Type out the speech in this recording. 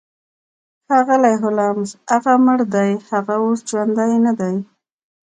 ښاغلی هولمز هغه مړ دی هغه اوس ژوندی ندی